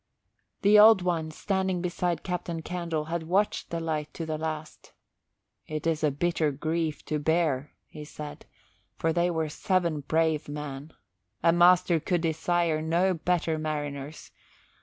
The Old One, standing beside Captain Candle, had watched the light to the last. "It is a bitter grief to bear," he said, "for they were seven brave men. A master could desire no better mariners.